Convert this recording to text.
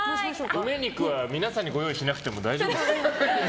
梅肉は皆さんにご用意しなくても大丈夫。